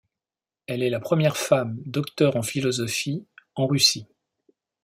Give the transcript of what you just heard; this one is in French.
Elle est la première femme docteur en philosophie en Russie.